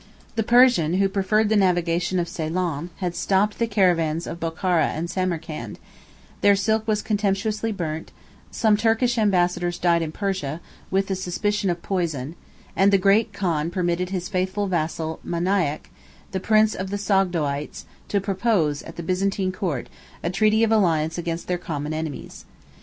The Persian, who preferred the navigation of Ceylon, had stopped the caravans of Bochara and Samarcand: their silk was contemptuously burnt: some Turkish ambassadors died in Persia, with a suspicion of poison; and the great khan permitted his faithful vassal Maniach, the prince of the Sogdoites, to propose, at the Byzantine court, a treaty of alliance against their common enemies.